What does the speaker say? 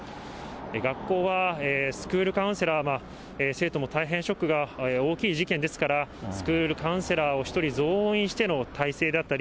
学校はスクールカウンセラー、生徒が大変ショックが大きい事件ですから、スクールカウンセラーを１人増員しての体制だったり、